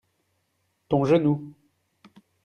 ton genou.